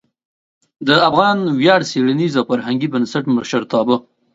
د افغان ویاړ څیړنیز او فرهنګي بنسټ مشرتابه